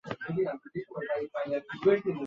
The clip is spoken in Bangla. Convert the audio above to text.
পিতামাতার বিবাহবিচ্ছেদের পর তিনি মায়ের সঙ্গে থাকতেন।